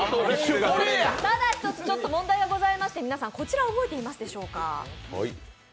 ただ一つ問題がございまして、こちらを覚えていますでしょうか。